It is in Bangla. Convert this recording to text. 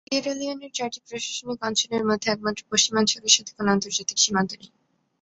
সিয়েরা লিওনের চারটি প্রশাসনিক অঞ্চলের মধ্যে একমাত্র পশ্চিমাঞ্চলের সাথে কোন আন্তর্জাতিক সীমান্ত নেই।